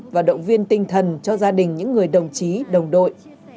và động viên tinh thần cho gia đình những người đồng chí đồng đội